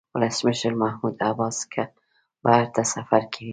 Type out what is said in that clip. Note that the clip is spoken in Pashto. ولسمشر محمود عباس که بهر ته سفر کوي.